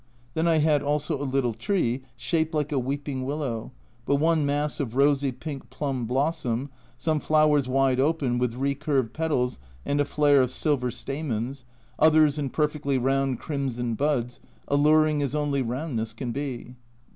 Then I had also a little tree, shaped like a weeping willow, but one mass of rosy pink plum blossom, some flowers wide open, with recurved petals and a flare of silver stamens, A Journal from Japan 115 others in perfectly round crimson buds, alluring as only roundness can be.